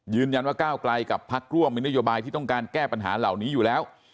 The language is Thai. ก้าวไกลกับพักร่วมมีนโยบายที่ต้องการแก้ปัญหาเหล่านี้อยู่แล้ว